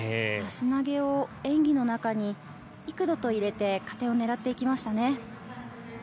演技の中に幾度と入れて加点を狙っていきましたね。